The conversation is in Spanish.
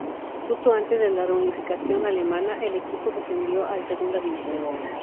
Justo antes de la Reunificación alemana el equipo descendió a la segunda división.